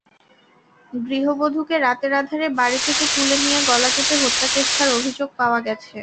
গৃহবধূকে রাতের আঁধারে বাড়ি থেকে তুলে নিয়ে গলা কেটে হত্যাচেষ্টার অভিযোগ পাওয়া গেছে।